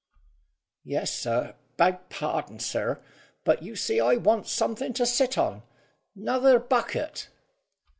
"Yes, sir. Beg pardon, sir, but you see I wants something to sit on. 'Nother bucket."